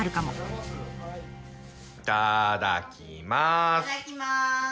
いただきます！